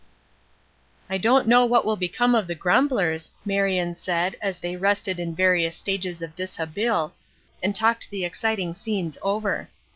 "I don't know what will become of the grumblers," Marion said as they rested in various stages of dishabille, and talked the exciting scenes over.